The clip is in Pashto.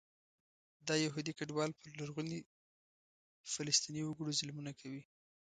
دا یهودي کډوال په لرغوني فلسطیني وګړو ظلمونه کوي.